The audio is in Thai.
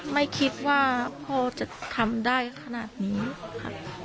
ไม่คิดว่าพ่อจะทำได้ขนาดนี้ค่ะ